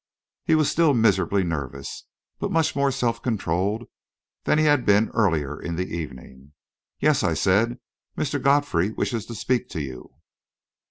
He was still miserably nervous, but much more self controlled than he had been earlier in the evening. "Yes," I said. "Mr. Godfrey wishes to speak to you."